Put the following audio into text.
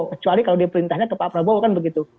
kecuali kalau diperintahnya ke pak prabowo kan begitu